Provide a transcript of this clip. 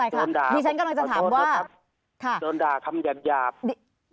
โดนด่าขอโทษนะครับโดนด่าคำหยาบพี่ฉันกำลังจะถามว่า